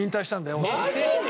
マジで！？